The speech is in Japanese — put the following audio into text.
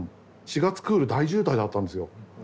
４月クール大渋滞だったんですよ。